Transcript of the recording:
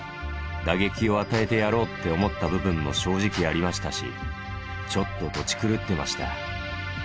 打撃を与えてやろうって思った部分も正直ありましたし、ちょっととち狂ってました。